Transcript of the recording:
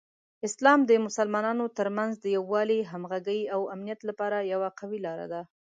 اسلام د مسلمانانو ترمنځ د یووالي، همغږۍ، او امنیت لپاره یوه قوي لاره ده.